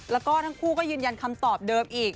แล้วก็ทั้งคู่ก็ยืนยันคำตอบเดิมอีก